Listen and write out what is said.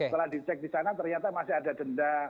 setelah dicek di sana ternyata masih ada denda